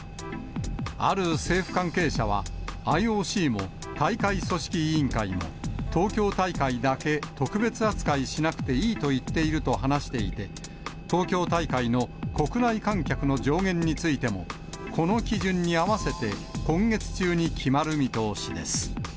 ある政府関係者は、ＩＯＣも大会組織委員会も、東京大会だけ特別扱いしなくていいと言っていると話していて、東京大会の国内観客の上限についても、この基準に合わせて、今月中に決まる見通しです。